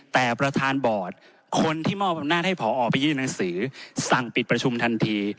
แต่ประธานบอร์ดคนที่มอบอำนาจให้ผอไปยื่นหนังสือสั่งปิดประชุมทันที